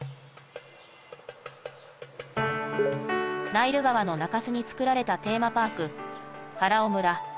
ナイル川の中州に造られたテーマパーク